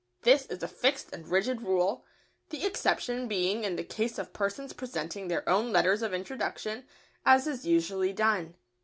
This is a fixed and rigid rule, the exception being in the case of persons presenting their own letters of introduction, as is usually done.